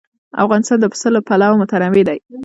افغانستان د پسه له پلوه متنوع دی.